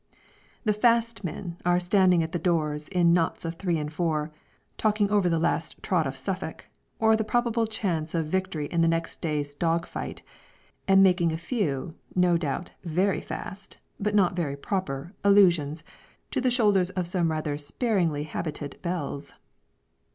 The fast men are standing at the doors in knots of three and four, talking over the last trot of Suffolk, or the probable chance of victory in the next day's dog fight, and making a few, no doubt very fast, but not very proper allusions to the shoulders of some rather sparingly habited belles.